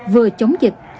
vừa chống dịch